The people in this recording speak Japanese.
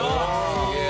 すげえ！